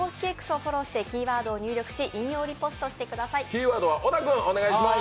キーワードは小田君お願いします。